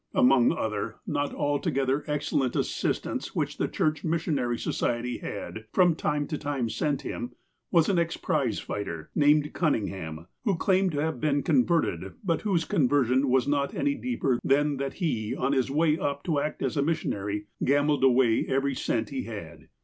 Among other, not altogether excellent, assistants, which the Church Missionary Society had, from time to time, sent him, was an ex prize fighter, named Cun ningham, who claimed to have been converted, but whose conversion was not any deeper than that he, on hia way up to act as a missionary, gambled away every cent he had.